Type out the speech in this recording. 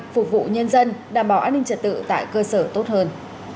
phục vụ nhân dân đảm bảo an ninh trật tự tại cơ sở tốt hơn